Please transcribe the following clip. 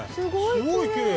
すごいきれい。